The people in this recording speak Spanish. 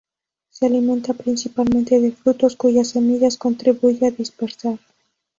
Se alimenta principalmente de frutos cuyas semillas contribuye a dispersar.